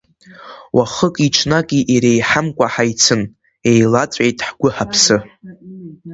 Уахыки-ҽнаки иреиҳамкәа ҳаицын, еилаҵәеит ҳгәы-ҳаԥсы…